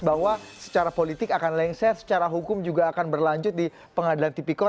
bahwa secara politik akan lengset secara hukum juga akan berlanjut di pengadilan tipikor